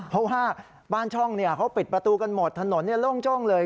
เพราะว่าบ้านช่องเขาปิดประตูกันหมดถนนโล่งจ้งเลย